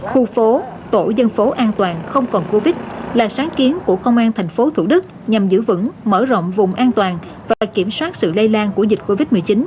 khu phố tổ dân phố an toàn không còn covid là sáng kiến của công an tp thủ đức nhằm giữ vững mở rộng vùng an toàn và kiểm soát sự lây lan của dịch covid một mươi chín